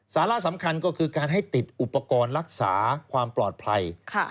สาระสำคัญก็คือการให้ติดอุปกรณ์รักษาความปลอดภัย